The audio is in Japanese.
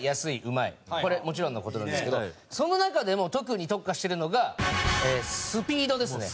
これもちろんの事なんですけどその中でも特に特化してるのがスピードですね。